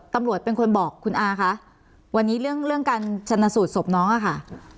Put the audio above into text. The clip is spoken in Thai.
ตำรวจเป็นคนบอกคุณอาคะวันนี้เรื่องเรื่องการชนะสูตรศพน้องอะค่ะ